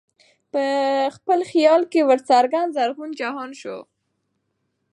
په خپل خیال کي ورڅرګند زرغون جهان سو